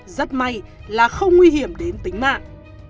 rất may là không nguy hiểm đến tính mạng